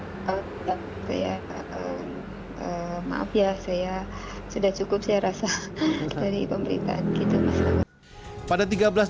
maaf ya sudah cukup saya rasa dari pemberitaan